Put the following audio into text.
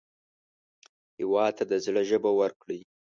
هېواد ته د زړه ژبه ورکړئ